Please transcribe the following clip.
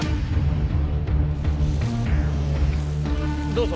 ・どうぞ。